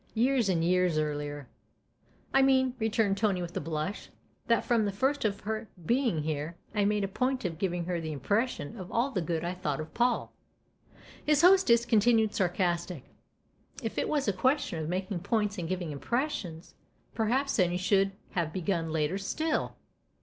" Years and years earlier !"" I mean," returned Tony with a blush, " that from the first of her being here I made a point of giving her the impression of all the good I thought of Paul." His hostess continued sarcastic. " If it was a question of making points and giving impressions, perhaps then you should have begun later still